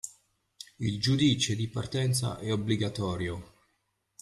Il giudice di partenza è obbligatorio